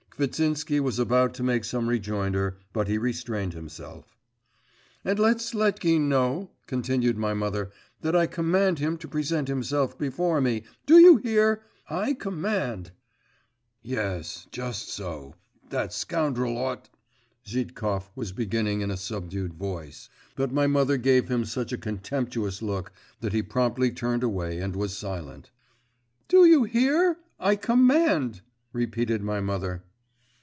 Kvitsinsky was about to make some rejoinder, but he restrained himself. 'And let Sletkin know,' continued my mother, 'that I command him to present himself before me.… Do you hear? I com … mand!' 'Yes, just so … that scoundrel ought ' Zhitkov was beginning in a subdued voice; but my mother gave him such a contemptuous look, that he promptly turned away and was silent. 'Do you hear? I command!' repeated my mother.